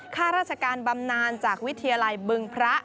ข้าราชการบำนานจากวิทยาลัยบึงพระ